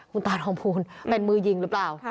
คุณตาทองภูลเป็นมือยิงหรือเปล่า